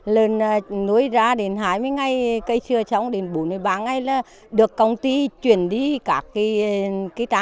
liên kết với doanh nghiệp